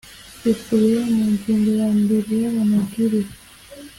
bikubiye mu ngingo ya mbere y aya mabwiriza